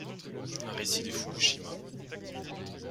Un récit de Fukushima.